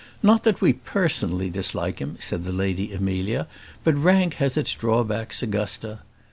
"Not that we personally dislike him," said the Lady Amelia; "but rank has its drawbacks, Augusta."